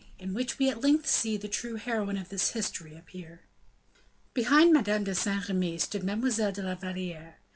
In Which We at Length See the True Heroine of this History Appear. Behind Madame de Saint Remy stood Mademoiselle de la Valliere.